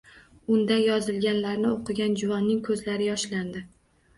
Unda yozilganlarni oʻqigan juvonning koʻzlari yoshlandi